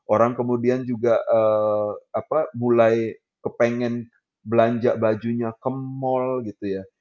orang kemudian juga mulai kepengen belanja bajunya ke mall gitu ya